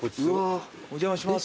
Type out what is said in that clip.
お邪魔します。